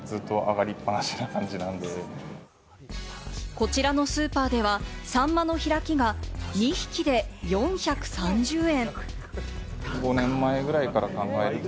こちらのスーパーでは、サンマの開きが２匹で４３０円。